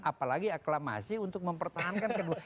apalagi aklamasi untuk mempertahankan kedua